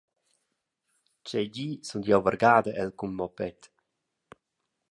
Tgei di sun jeu vargada el cun moped.